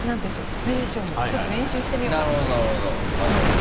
シチュエーションをちょっと練習してみようかなというふうに思います。